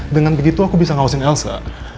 dengan begitu aku bisa ngawasin elsa